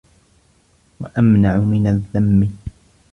وَأَمْنَعُ مِنْ الذَّمِّ